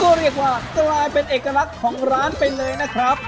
ก็เรียกว่ากลายเป็นเอกลักษณ์ของร้านไปเลยนะครับ